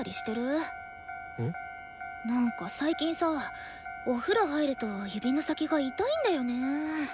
なんか最近さお風呂入ると指の先が痛いんだよね。